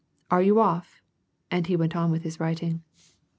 " Are you off ?" and he went on with his writing.